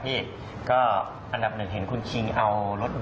แล้วก็สวัสดีพวกผู้จันทร์ทั้งบ้านนะครับ